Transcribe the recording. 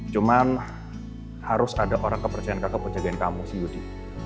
cuman harus ada orang kepercayaan kakak buat jagain kamu si udi